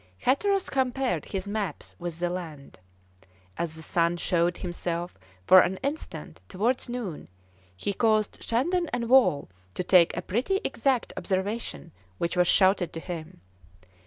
Hatteras compared his maps with the land. As the sun showed himself for an instant towards noon, he caused Shandon and Wall to take a pretty exact observation, which was shouted to him.